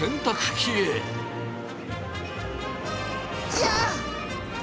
いや！